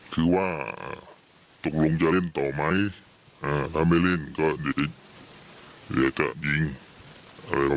ก็ถามแต่ละคนเลย